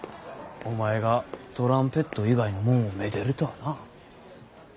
お前がトランペット以外のもんをめでるとはな。